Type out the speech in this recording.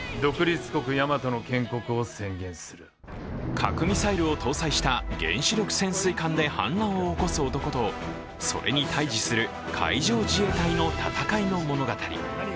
核ミサイルを搭載した原子力潜水艦で反乱を起こす男とそれに対じする海上自衛隊の闘いの物語。